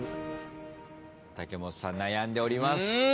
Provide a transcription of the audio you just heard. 武元さん悩んでおります。